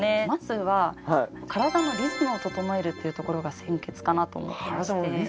まずは体のリズムを整えるっていうところが先決かなと思ってまして。